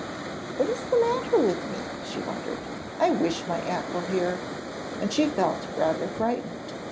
'What is the matter with me?' she wondered. 'I wish my aunt were here,' and she felt rather frightened.